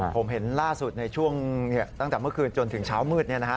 ผมเห็นล่าสุดในช่วงตั้งแต่เมื่อคืนจนถึงเช้ามืด